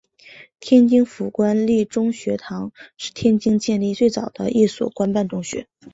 天津府官立中学堂是天津建立最早的一所官办中学。